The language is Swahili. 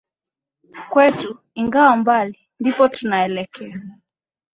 Kwetu, ingawa mbali, ndipo tunaelekea.